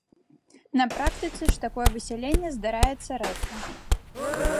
На практыцы ж такое высяленне здараецца рэдка.